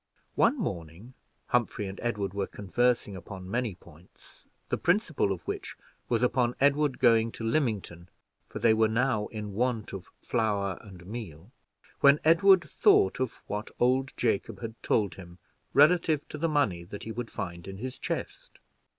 One morning, Humphrey and Edward were conversing upon many points the principal of which was upon Edward going to Lymington, for they were now in want of flour and meal, when Edward thought of what old Jacob had told him relative to the money that he would find in his chest.